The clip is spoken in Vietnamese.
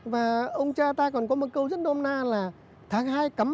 và ông cha ta còn có một câu rất đông na là tháng hai cắm